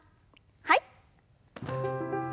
はい。